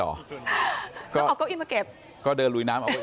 โอ้โฮก้าวอี้มาเก็บก็เดินรุ้นน้ำมาเก็บ